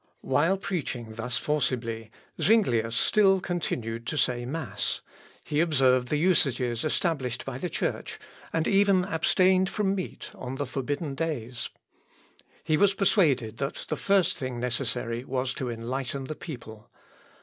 ] While preaching thus forcibly, Zuinglius still continued to say mass: he observed the usages established by the Church, and even abstained from meat on the forbidden days. He was persuaded that the first thing necessary was to enlighten the people.